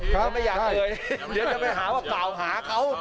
เขาไม่อยากเหนื่อยเดี๋ยวจะไปหาว่ากล่าวหาเขา